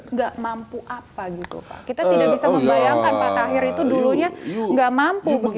enggak mampu apa gitu kita tidak bisa membayangkan pak tahir itu dulunya nggak mampu